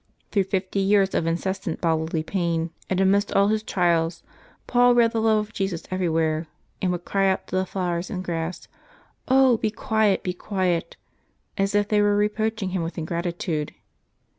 Through fifty years of incessant bodily pain, and amidst all his trials, Paul read the love of Jesus everywhere, and would cry out to the flowers and grass, " Oh ! be quiet, be quiet," as if they were reproaching him with ingratitude.